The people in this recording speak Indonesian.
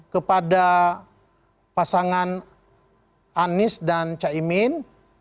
kepada pasangan anies dan caimin